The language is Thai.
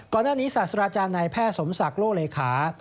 ก่อนหน้านี้ศาสตราจารย์นายแพทย์สมศักดิ์โลเลขา